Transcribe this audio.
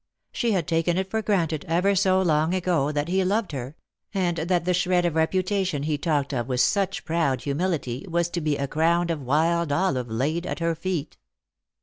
She had taken it for granted, ever so long ago, that he loved her, and that the shred of reputation he talked of with such proud humility was to be a crown of wild olive laid at her feet.